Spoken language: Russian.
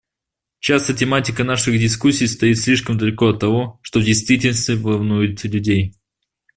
Часто тематика наших дискуссий стоит слишком далеко от того, что в действительности волнует людей.